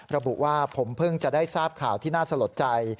ระบุว่าผมเพิ่งจะได้ทราบข่าวที่น่าสลดใจ